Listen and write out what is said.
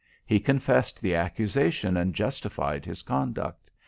He confessed the accusation and justified his conduct.